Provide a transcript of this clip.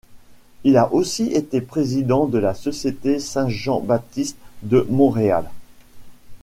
Il a aussi été président de la Société Saint-Jean-Baptiste de Montréal.